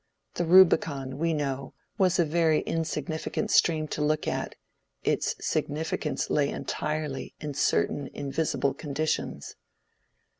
The Rubicon, we know, was a very insignificant stream to look at; its significance lay entirely in certain invisible conditions.